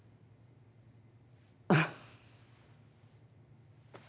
あっ。